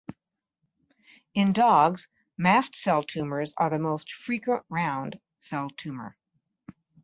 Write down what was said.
In dogs, mast cell tumors are the most frequent round cell tumor.